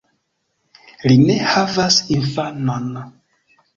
Li ne havas infanon.